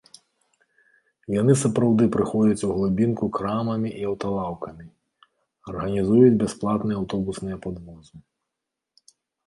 Яны сапраўды прыходзяць у глыбінку крамамі і аўталаўкамі, арганізуюць бясплатныя аўтобусныя падвозы.